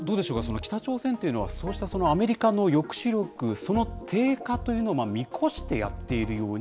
北朝鮮というのはそうしたアメリカの抑止力、その低下というのを見越してやっているのかと。